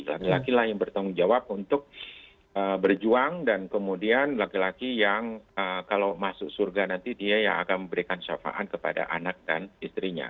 laki laki lah yang bertanggung jawab untuk berjuang dan kemudian laki laki yang kalau masuk surga nanti dia yang akan memberikan syafaat kepada anak dan istrinya